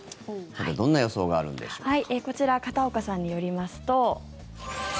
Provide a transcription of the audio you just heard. どんな予想があるんでしょうか。